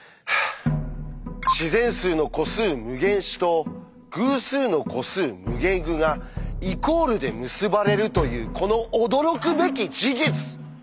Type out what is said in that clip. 自然数の個数「∞自」と偶数の個数「∞ぐ」がイコールで結ばれるというこの驚くべき事実！